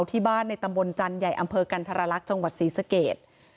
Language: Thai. ที่บ้านในตำบลจันทร์ใหญ่อำเภอกันธรรลักษณ์จังหวัดศรีสเกต